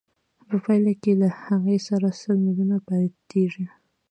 په پایله کې له هغه سره سل میلیونه پاتېږي